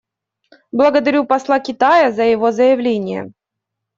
Благодарю посла Китая за его заявление.